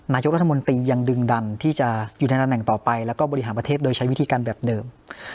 นายกรัฐมนตรียังดึงดันที่จะอยู่ในตำแหน่งต่อไปแล้วก็บริหารประเทศโดยใช้วิธีการแบบเดิม